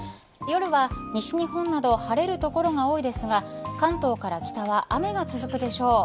夜は西日本など晴れる所が多いですが関東から北は雨が続くでしょう。